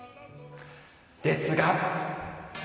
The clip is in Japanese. ですが。